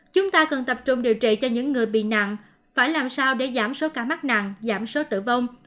chúng ta cần tập trung điều trị cho những người bị nạn phải làm sao để giảm số ca mắc nạn giảm số tử vong